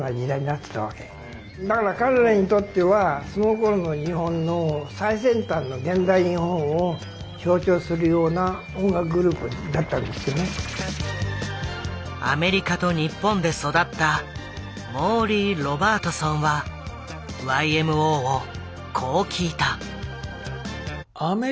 だから彼らにとってはそのころの日本の最先端のアメリカと日本で育ったモーリー・ロバートソンはＹＭＯをこう聴いた。